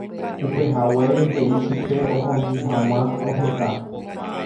upehaguére he'i chupe ohomi hag̃ua oheka.